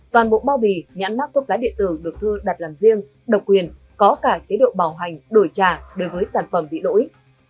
toàn bộ bao bì nhãn mắc thuốc lá điện tử được thơ đặt làm riêng độc quyền có cả chế độ bảo hành đổi trả đối với sản phẩm vị đổi